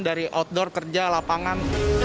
dari outdoor kerja lapangan